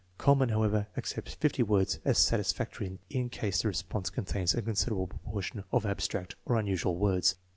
Kuhlmanh, however, accepts fifty words as satisfactory in case the response contains a considerable proportion of abstract or unusual words.